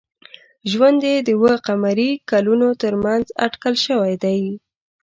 ژوند یې د اوه ق کلونو تر منځ اټکل شوی دی.